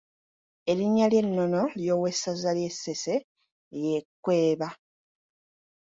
Erinnya ly’ennono ly’owessaza ly’e Ssese ye Kkweba.